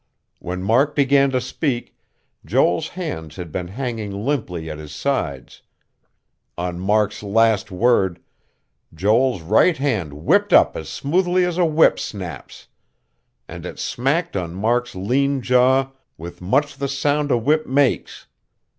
When Mark began to speak, Joel's hands had been hanging limply at his sides. On Mark's last word, Joel's right hand whipped up as smoothly as a whip snaps; and it smacked on Mark's lean jaw with much the sound a whip makes.